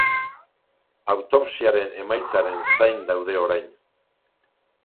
Autopsiaren emaitzaren zain daude orain.